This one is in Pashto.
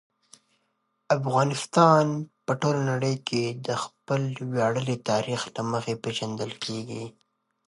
افغانستان په ټوله نړۍ کې د خپل ویاړلي تاریخ له مخې پېژندل کېږي.